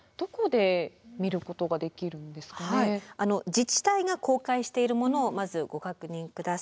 自治体が公開しているものをまずご確認下さい。